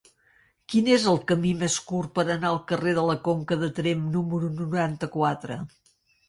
Quin és el camí més curt per anar al carrer de la Conca de Tremp número noranta-quatre?